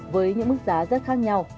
với những mức giá rất khác nhau